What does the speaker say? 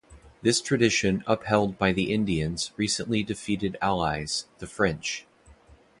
This tradition upheld by the Indians' recently defeated allies, the French.